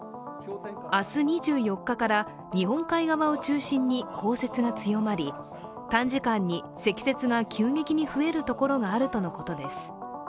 明日２４日から日本海側を中心に降雪が強まり短時間に積雪が急激に増えるところがあるとのことです。